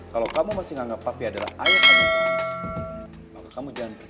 kalau kamu masih menganggap papi adalah ayahmu maka kamu jangan pergi